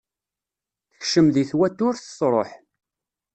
Tekcem deg twaturt, truḥ.